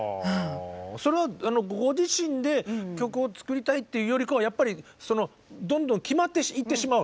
それはご自身で曲を作りたいというよりかはやっぱりどんどん決まっていってしまうの？